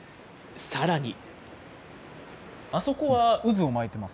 さらに。